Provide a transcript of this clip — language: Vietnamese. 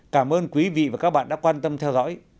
cảm ơn quý vị và các bạn đã quan tâm theo dõi